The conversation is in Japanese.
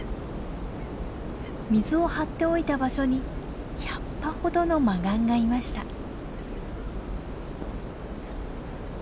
水を張っておいた場所に１００羽ほどのマガンがいました。